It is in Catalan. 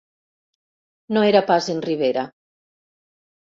No era pas en Rivera.